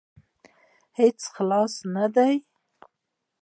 هیڅ خاص نه دي